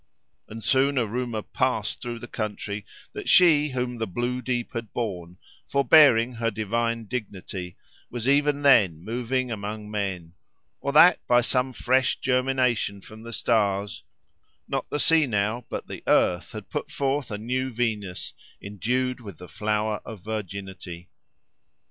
And soon a rumour passed through the country that she whom the blue deep had borne, forbearing her divine dignity, was even then moving among men, or that by some fresh germination from the stars, not the sea now, but the earth, had put forth a new Venus, endued with the flower of virginity.